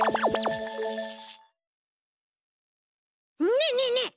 ねえねえねえ